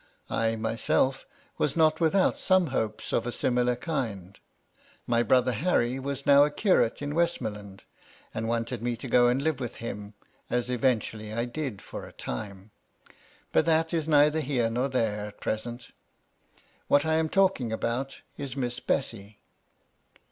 I myself was not without some hopes of a similar kind. My brother Harry was now a curate in Westmoreland, and wanted me to go and live with him, as eventually I did for a time. But that is neither here nor there at present What I am talking about is Miss Bessy.